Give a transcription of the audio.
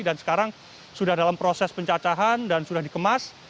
dan sekarang sudah dalam proses pencacahan dan sudah dikemas